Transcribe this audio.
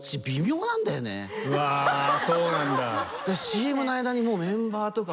うわそうなんだ。